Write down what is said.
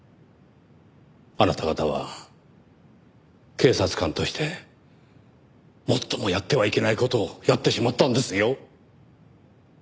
あなた方は警察官として最もやってはいけない事をやってしまったんですよ。